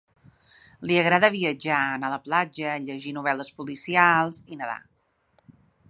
Li agrada viatjar, anar a la platja, llegir novel·les policials i nedar.